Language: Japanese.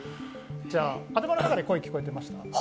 頭の中で声、聞こえてきました？